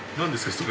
それ。